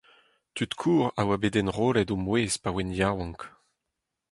Tud kozh a oa bet enrollet o mouezh pa oant yaouank.